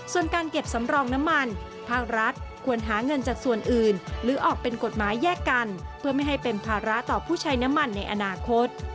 ส่วนการเก็บสำรองน้ำมันภาครัฐควรหาเงินจากส่วนอื่นหรือออกเป็นกฎหมายแยกกันเพื่อไม่ให้เป็นภาระต่อผู้ใช้น้ำมันในอนาคต